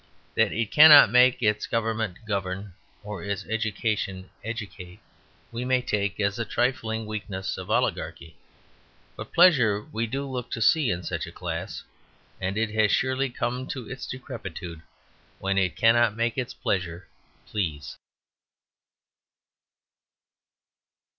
That it cannot make its government govern or its education educate we may take as a trifling weakness of oligarchy; but pleasure we do look to see in such a class; and it has surely come to its decrepitude when it cannot make its pleasures please.